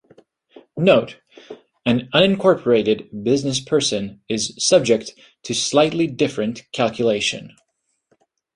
Note: an unincorporated business person is subject to slightly different calculation.